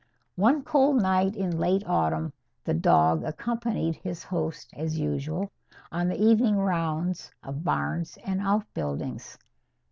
One cold night in late autumn the dog accompanied his host, as usual, on the evening rounds of barns and outbuildings.